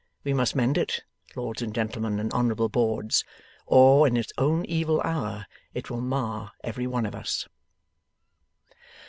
We must mend it, lords and gentlemen and honourable boards, or in its own evil hour it will mar every one of us.